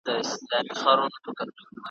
كه مو نه سړېږي زړه په انسانانو `